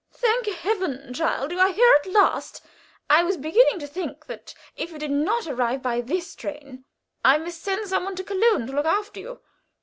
"Thank Heaven, child! you are here at last. I was beginning to think that if you did not come by this train, I must send some one to Köln to look after you."